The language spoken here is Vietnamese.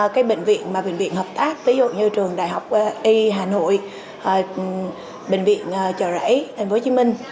cái bệnh viện mà bệnh viện hợp tác ví dụ như trường đại học y hà nội bệnh viện trò rẫy tp hcm